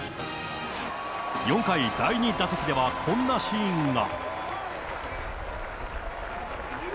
４回、第２打席ではこんなシーンが。